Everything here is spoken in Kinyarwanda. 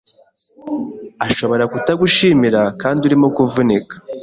Ashobora kutagushimira kandi urimo kuvunika